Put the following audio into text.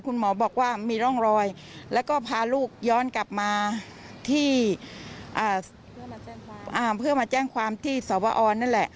คุณหมอบอกว่ามีร่องรอยแล้วก็พาลูกย้อนกลับมาที่เพื่อมาแจ้งความที่สวอนนั่นแหละ